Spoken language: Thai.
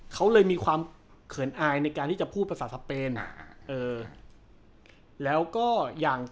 เขาเลยมีความเขินอายในการที่จะพูดภาษาสเปน